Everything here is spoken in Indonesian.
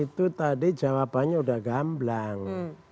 itu tadi jawabannya sudah gamblang